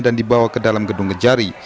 dan dibawa ke dalam gedung kejari